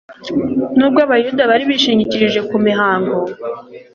Nubwo abayuda bari bishingikirije ku mihango,